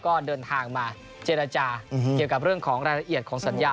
ก็เดินทางมาเจรจาเกี่ยวกับเรื่องของรายละเอียดของสัญญา